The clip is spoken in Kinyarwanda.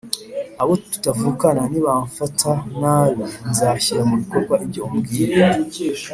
Abo tutavukana nibamfata nabi nzashyira mu bikorwa ibyo umbwiye